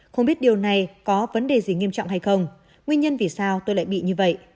không biết điều này có vấn đề gì nghiêm trọng hay không nguyên nhân vì sao tôi lại bị như vậy